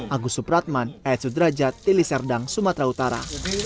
agus supratman ed sudrajat deli serdang sumatera utara